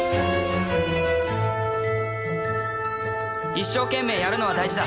一生懸命やるのは大事だ・